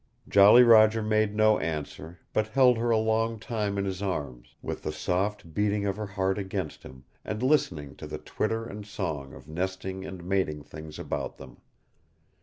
Jolly Roger made no answer, but held her a long time in his arms, with the soft beating of her heart against him, and listened to the twitter and song of nesting and mating things about them.